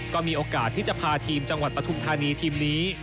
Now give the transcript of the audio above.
ก็มีโอกาสที่จะพาทีมจังหวัดปฐุมธานีทีมนี้